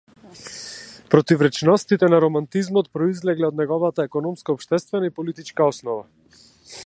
Противречностите на романтизмот произлегле од неговата економско-општествена и политичка основа.